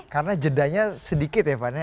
karena jedanya sedikit ya pak